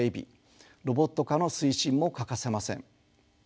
ロボット化の推進も欠かせません。